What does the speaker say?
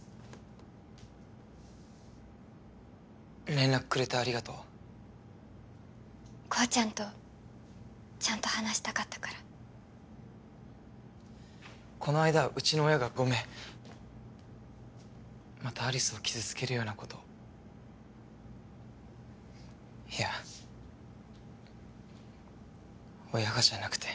連絡くれてありがとうコウちゃんとちゃんと話したかったからこの間はうちの親がごめんまた有栖を傷つけるようなことをいや親がじゃなくて